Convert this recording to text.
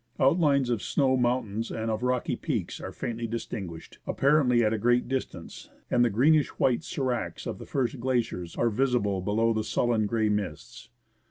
Outlines of snow mountains and of rocky peaks are faintly distinguished, appar ently at a great distance, and the greenish white sdracs of the first glaciers are visible below the sullen, grey mists.